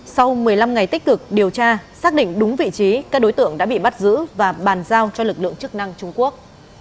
sau một mươi năm ngày tích cực điều tra xác định đúng vị trí các đối tượng đã bị bắt giữ và bàn giao cho lực lượng chức năng trung quốc